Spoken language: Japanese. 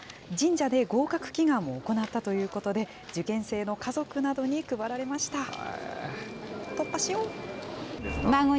神社で合格祈願を行ったということで、受験生の家族などに配られました。